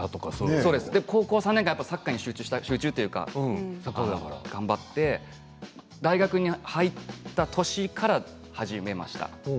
高校３年間サッカーに集中というか頑張って大学に入った年から始めました。